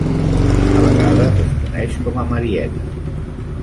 A vegades es coneix com a marieta.